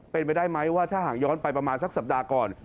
เป็นไปได้ไหมว่าถ้าหากย้อนไปประมาณสักสัปดาห์ก่อน